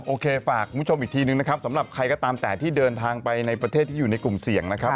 โอเคฝากคุณผู้ชมอีกทีนึงนะครับสำหรับใครก็ตามแต่ที่เดินทางไปในประเทศที่อยู่ในกลุ่มเสี่ยงนะครับ